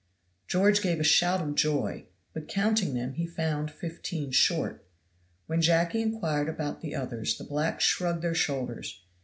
George gave a shout of joy, but counting them he found fifteen short. When Jacky inquired after the others the blacks shrugged their shoulders.